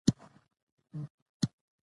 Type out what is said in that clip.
د جنوب غرب په لور پرته ده،